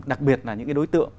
đặc biệt là những cái đối tượng